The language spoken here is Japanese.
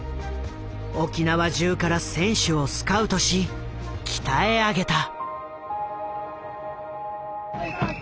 沖縄中から選手をスカウトし鍛え上げた。